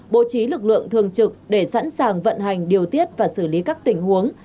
bố trí lực lượng thường trực để sẵn sàng vận hành điều tiết và xử lý các tình huống